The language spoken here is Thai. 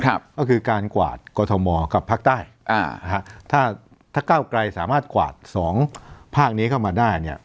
ก็คือการกวาดกรทมกับภาคใต้อ่านะฮะถ้าถ้าก้าวไกลสามารถกวาดสองภาคนี้เข้ามาได้เนี่ย